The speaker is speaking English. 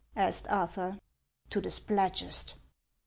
" asked Arthur. " To the Spladgest."